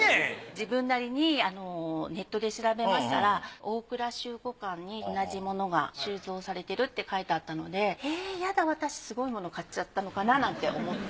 自分なりにネットで調べましたら大倉集古館に同じものが収蔵されてるって書いてあったのでえぇやだ私すごいもの買っちゃったのかななんて思って。